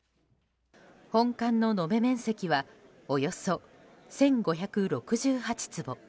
本館の延べ面積はおよそ１５６８坪。